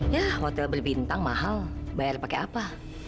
ya hotel berbintang mahal bayar pakai apa